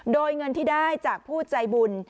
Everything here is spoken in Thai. โดยเงินที่ได้จากผู้ใจบุญ